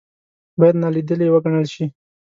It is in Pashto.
باید نا لیدلې وګڼل شي.